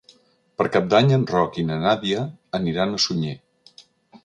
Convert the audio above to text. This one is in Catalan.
Per Cap d'Any en Roc i na Nàdia aniran a Sunyer.